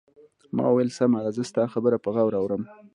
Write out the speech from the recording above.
ما وویل: سمه ده، زه ستا دا خبره په غور اورم.